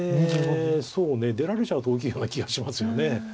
そうね出られちゃうと大きいような気がしますよね。